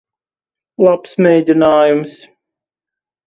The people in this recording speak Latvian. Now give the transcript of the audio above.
Labs mēģinājums.